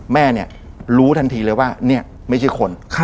แม่เนี่ยรู้ทันทีเลยว่าเนี่ยไม่ใช่คน